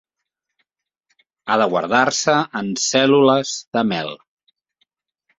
Ha de guardar-se en cèl·lules de mel.